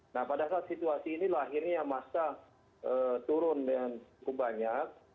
nah pada saat situasi ini lahirnya masa turun dengan cukup banyak